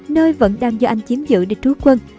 nơi vẫn đang do anh chiếm giữ để trú quân